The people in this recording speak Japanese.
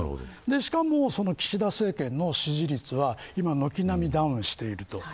しかも岸田政権の支持率は今、軒並みダウンしてると。